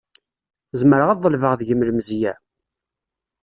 Zemreɣ ad ḍelbeɣ deg-m lemzeyya?